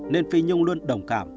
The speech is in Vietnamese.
nên phi nhung luôn đồng cảm